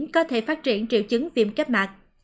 có thể phát triển triệu chứng viêm cấp mạc